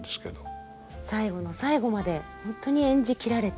最後の最後まで本当に演じ切られて？